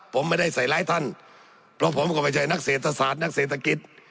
ผมไม่ได้ใส่ร้ายท่านเพราะผมก็ไม่ใช่นักเศรษฐศาสตร์นักเศรษฐกิจ